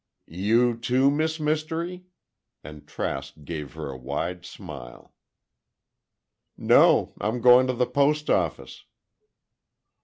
"You too, Miss Mystery?" and Trask gave her a wide smile. "No; I'm going to the post office."